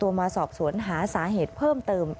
มาสอบสวนหาสาเหตุเพิ่มเติม